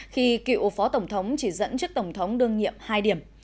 khi cựu phó tổng thống chỉ dẫn trước tổng thống đương nhiệm hai điểm